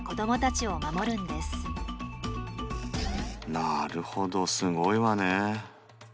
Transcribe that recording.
なるほどすごいわね。